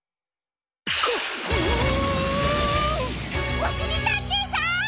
おしりたんていさん！？